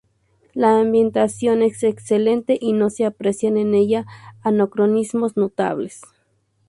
La ambientación es excelente y no se aprecian en ella anacronismos notables.